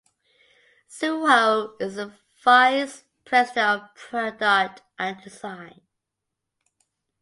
Zhuo is the vice president of product and design.